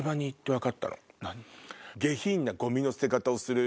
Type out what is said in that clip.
何？